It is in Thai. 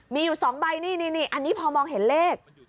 มีอยู่๒ใบนี่อันนี้พอมองเห็นเลข